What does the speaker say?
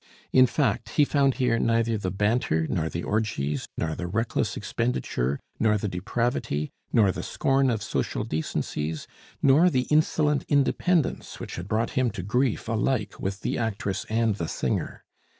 In fact, he found here neither the banter, nor the orgies, nor the reckless expenditure, nor the depravity, nor the scorn of social decencies, nor the insolent independence which had brought him to grief alike with the actress and the singer.